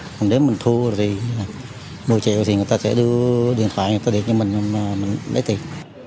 còn nếu mình thua rồi thì một mươi triệu thì người ta sẽ đưa điện thoại người ta điện cho mình người ta lấy tiền